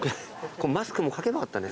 マスクも描けばよかったね。